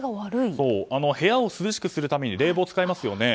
部屋を涼しくするために冷房を使いますよね。